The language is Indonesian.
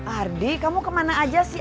ardi kamu kemana aja sih